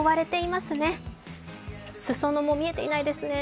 すそ野も見えていないですね。